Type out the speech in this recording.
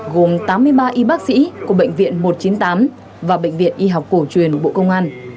gồm tám mươi ba y bác sĩ của bệnh viện một trăm chín mươi tám và bệnh viện y học cổ truyền bộ công an